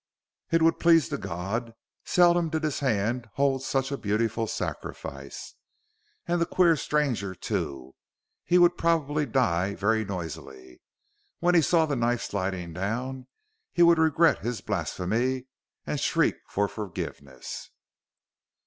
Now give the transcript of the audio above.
It would please the god: seldom did his hands hold such a beautiful sacrifice. And the queer stranger, too he would probably die very noisily. When he saw the knife sliding down, he would regret his blasphemy and shriek for forgiveness!